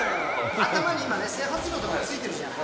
頭に今整髪料とかついてるじゃない。